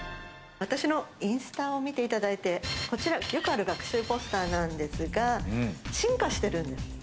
私のインスタを見ていただいて、こちら、よくある学習ポスターなんですが、進化してるんです。